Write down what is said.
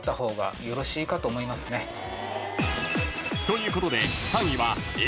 ［ということで３位はＡ．Ｂ．Ｃ−Ｚ